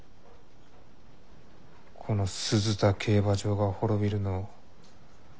この鈴田競馬場が滅びるのを。